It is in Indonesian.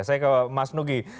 saya ke mas nugi